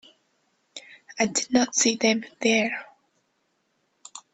I did not see them there.